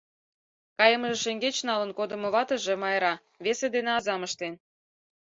Кайымыже шеҥгеч налын кодымо ватыже — Майра — весе дене азам ыштен.